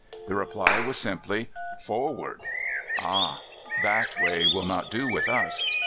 The reply was simply, "Forward!" "Ah! that way will not do with us.